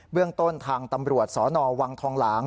เรื่องต้นทางตำรวจสนวังทองหลาง